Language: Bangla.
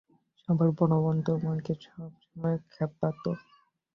সবার বড় বোন আমাকে সবসময় ক্ষ্যাপাতো।